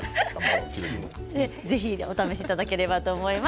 ぜひお試しいただけたらと思います。